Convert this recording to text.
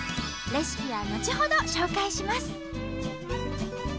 レシピは後ほど紹介します！